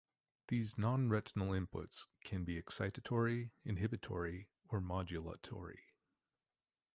These non-retinal inputs can be excitatory, inhibitory, or modulatory.